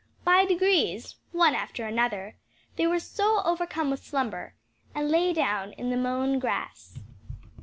By degrees, one after another, they were overcome with slumber, and lay down in the mown grass.